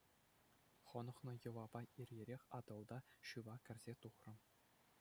Хӑнӑхнӑ йӑлапа ир-ирех Атӑлта шыва кӗрсе тухрӑм.